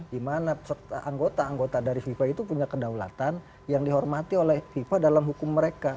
dimana anggota anggota dari fifa itu punya kedaulatan yang dihormati oleh fifa dalam hukum mereka